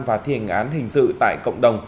và thi hình án hình sự tại cộng đồng